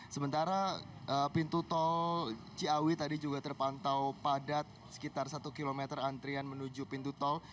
sementara pintu tol ciawi tadi juga terpantau padat sekitar satu km antrian menuju pintu tol